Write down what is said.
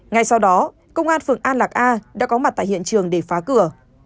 ngay sau đó công an phường an lạc a đã có mặt tại hiện trường để phá cửa